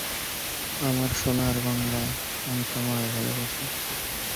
আইনটি প্রণয়নের উদ্যোগ গ্রহণ করা হবে কিনা তা সরকারের নীতিগত সিদ্ধান্তের ওপর নির্ভর করে।